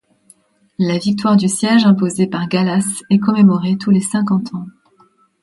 La victoire du siège imposé par Gallas est commémorée tous les cinquante ans.